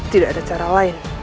tidak ada cara lain